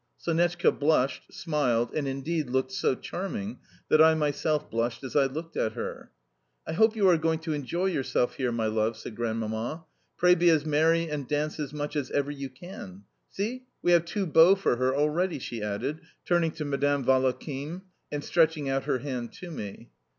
Sonetchka blushed, smiled, and, indeed, looked so charming that I myself blushed as I looked at her. "I hope you are going to enjoy yourself here, my love," said Grandmamma. "Pray be as merry and dance as much as ever you can. See, we have two beaux for her already," she added, turning to Madame Valakhin, and stretching out her hand to me.